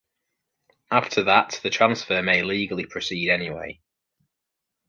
After that, the transfer may legally proceed anyway.